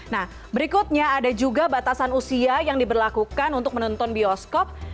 nah berikutnya ada juga batasan usia yang diberlakukan untuk menonton bioskop